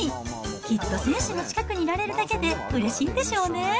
きっと選手の近くにいられるだけでうれしいんでしょうね。